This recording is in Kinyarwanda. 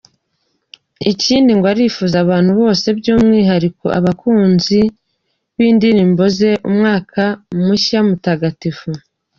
Ikindi ngo arifuriza abantu bose by’ umwihariko abakunzi b’indirimbo ze Umwaka mushya mutagatifu.